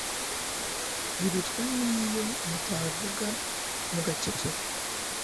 Birutwa n'iyo mutavuga mugaceceka